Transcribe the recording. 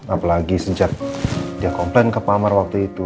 apalagi sejak dia komplain ke pamer waktu itu